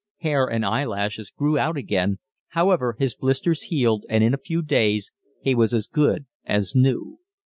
Hair and eyelashes grew out again, however, his blisters healed, and in a few days he was as good as new.